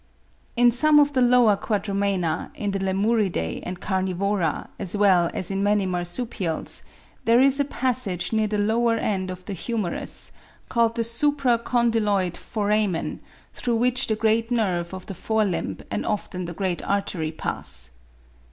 In some of the lower Quadrumana, in the Lemuridae and Carnivora, as well as in many marsupials, there is a passage near the lower end of the humerus, called the supra condyloid foramen, through which the great nerve of the fore limb and often the great artery pass.